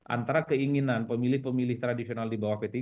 antara keinginan pemilih pemilih tradisional di bawah p tiga